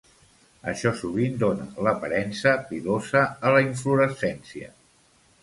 Això sovint dóna l'aparença pilosa a la inflorescència.